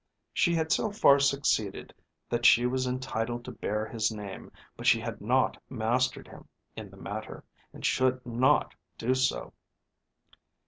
She had so far succeeded that she was entitled to bear his name, but she had not mastered him in the matter, and should not do so.